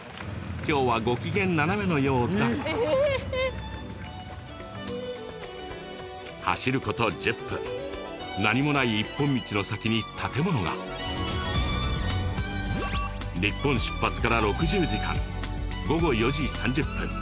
今日はご機嫌斜めのようだ走ること１０分何もない一本道の先に建物が日本出発から６０時間午後４時３０分